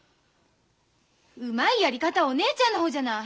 うまいやり方はお姉ちゃんの方じゃない！